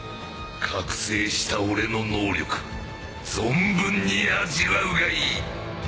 覚醒した俺の能力存分に味わうがいい！